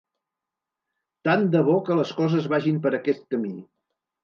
Tant de bo que les coses vagin per aquest camí.